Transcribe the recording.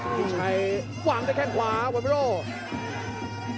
พิชัยวางได้แค่ขวาวันเวลา